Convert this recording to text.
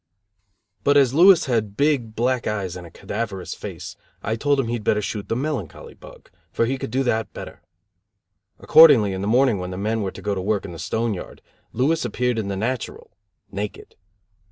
But as Billy had big, black eyes and a cadaverous face, I told him he'd better shoot the melancholy bug; for he could do that better. Accordingly in the morning when the men were to go to work in the stone yard, Billy appeared in the natural (naked).